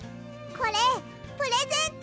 これプレゼント。